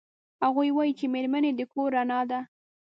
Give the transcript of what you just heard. هغوی وایي چې میرمنې د کور رڼا ده